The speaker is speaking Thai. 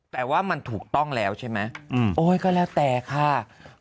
แต่ว่ามันถูกต้องแล้วใช่ไหมโอ๊ยก็แล้วแต่ค่ะ